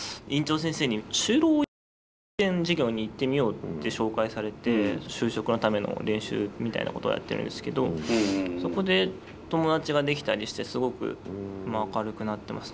院長先生に就労移行支援事業に行ってみようって紹介されて就職のための練習みたいなことをやってるんですけどそこで友達ができたりしてすごく明るくなってますね。